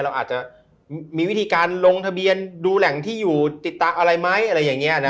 เราอาจจะมีวิธีการลงทะเบียนดูแหล่งที่อยู่ติดตาอะไรไหมอะไรอย่างนี้นะ